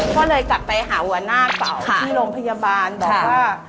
ก็เลยกลับไปหาหัวหน้าเก่าที่โรงพยาบาลบอกว่า